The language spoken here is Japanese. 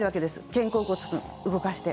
肩甲骨を動かして。